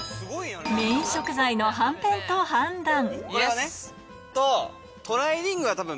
メイン食材のはんぺんと判断